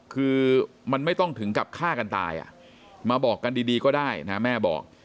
คือมันไม่ต้องถึงกับฆ่ากันตายมาบอกกันดีก็ได้นะแม่บอก